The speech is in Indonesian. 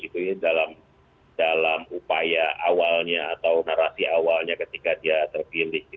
jadi dalam upaya awalnya atau narasi awalnya ketika dia terpilih